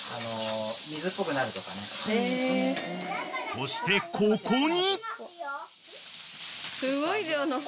［そしてここに］